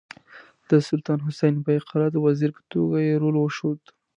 د سلطان حسین بایقرا د وزیر په توګه یې رول وښود.